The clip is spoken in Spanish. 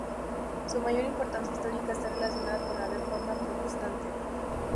Su mayor importancia histórica está relacionada con la Reforma Protestante.